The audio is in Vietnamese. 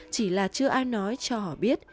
chỉ là chưa ai nói cho họ biết